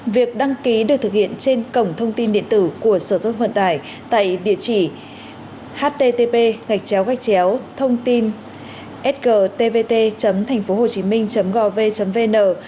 việc đăng ký được thực hiện trên cổng thông tin điện tử của sở giao thông vận tải tại địa chỉ http thongtin sgtvt thp hcm gov vn